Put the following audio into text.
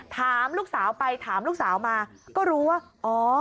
ถามลูกสาวไปถามลูกสาวมาก็รู้ว่าอ๋อ